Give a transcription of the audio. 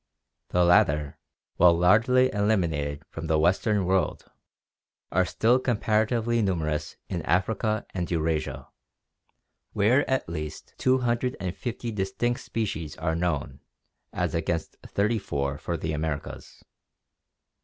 The latter, while largely eliminated from the western world, are still comparatively numerous in Africa and Eurasia, where at least 250 distinct species are known as against 34 for the Americas.